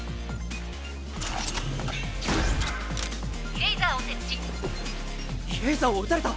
「イレイザーを設置」イレイザーを打たれた！